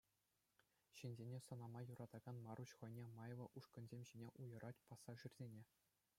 Ҫынсене сӑнама юратакан Маруҫ хӑйне майлӑ ушкӑнсем ҫине уйӑрать пассажирсене.